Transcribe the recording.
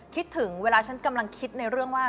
คิดถึงเวลาฉันกำลังคิดในเรื่องว่า